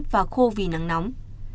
và khô vì nắng nóng